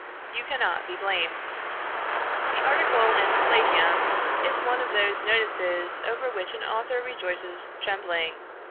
You cannot be blamed. "The article in the Palladium is one of those notices over which an author rejoices trembling.